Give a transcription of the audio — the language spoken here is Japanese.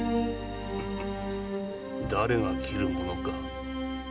誰が切るものか。